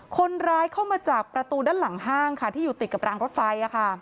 คนร้ายเข้ามาจากประตูด้านหลังห้างค่ะที่อยู่ติดกับรางรถไฟ